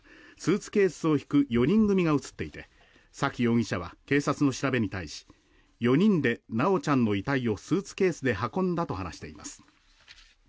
自宅付近の防犯カメラにはスーツケースを引く４人組が映っていて沙喜容疑者は警察の調べに対し４人で修ちゃんの遺体をスーツケースで運んだと話しています。